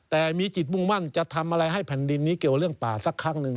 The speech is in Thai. แต่มีจิตมุ่งมั่งจะทำอะไรให้แผ่นดินนี้เกี่ยวเรื่องป่าสักครั้งหนึ่ง